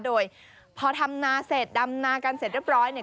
โดยพอทำนาเสร็จดำนากันเสร็จเรียบร้อยเนี่ย